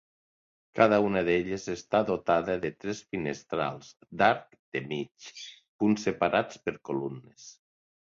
Cada una d'elles està dotada de tres finestrals d'arc de mig punt separats per columnes.